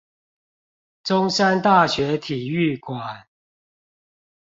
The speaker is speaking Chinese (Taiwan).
中山大學體育館